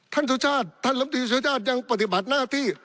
สุชาติท่านลำตีสุชาติยังปฏิบัติหน้าที่